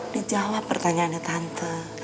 dia jawab pertanyaannya tante